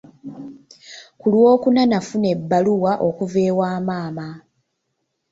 Ku Lwokuna nafuna ebbaluwa okuva ewa maama.